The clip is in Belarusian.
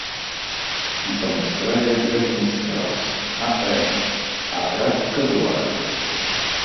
На самой справе, гэта не страус, а эму, атрад казуаравыя.